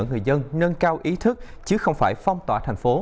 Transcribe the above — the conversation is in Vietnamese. người dân nâng cao ý thức chứ không phải phong tỏa thành phố